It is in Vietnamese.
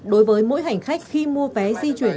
đối với mỗi hành khách khi mua vé di chuyển